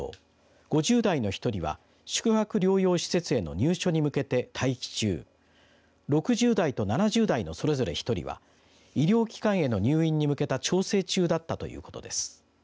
５０代の１人は宿泊療養施設への入所に向けて待機中６０代と７０代のそれぞれ１人は医療機関への入院に向けた調整中だったということです。